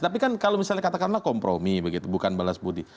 tapi kan kalau misalnya katakanlah kompromi begitu bukan balas budi